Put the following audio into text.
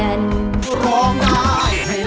ร้องได้ให้ร้องร้องได้ให้ร้อง